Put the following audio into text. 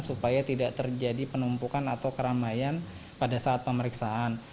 supaya tidak terjadi penumpukan atau keramaian pada saat pemeriksaan